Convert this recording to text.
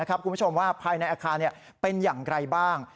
คุณผู้ชมว่าภายในอาคารเป็นอย่างไรบ้าง